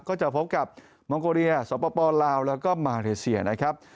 ก็จะพบกับมองโกเรียสปลาวแล้วก็มาเลเซียนะครับ